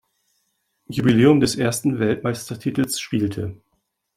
Jubiläum des ersten Weltmeistertitels spielte.